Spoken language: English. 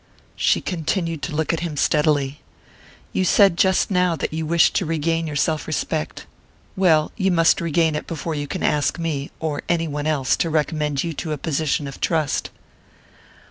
She continued to look at him steadily. "You said just now that you wished to regain your self respect. Well, you must regain it before you can ask me or any one else to recommend you to a position of trust."